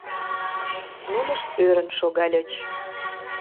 Нунышт ӧрын шогальыч.